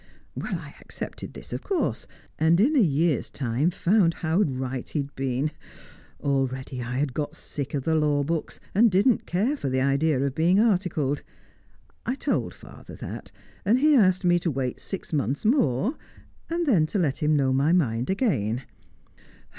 Well, I accepted this, of course, and in a year's time found how right he had been; already I had got sick of the law books, and didn't care for the idea of being articled. I told father that, and he asked me to wait six months more, and then to let him know my mind again.